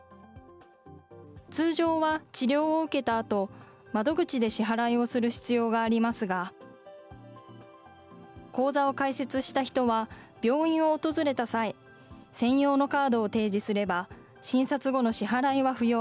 通常は治療を受けたあと、窓口で支払いをする必要がありますが、口座を開設した人は病院を訪れた際、専用のカードを提示すれば、診察後の支払いは不要。